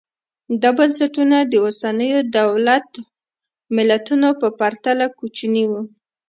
دا بنسټونه د اوسنیو دولت ملتونو په پرتله کوچني وو